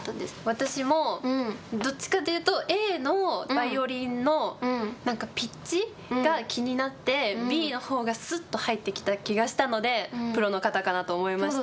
私もどっちかというとＡのバイオリンのなんかピッチ？が気になってＢの方がすっと入ってきた気がしたのでプロの方かなと思いました